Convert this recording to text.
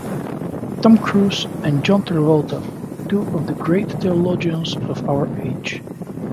Tom Cruise and John Travolta - two of the great theologians of our age.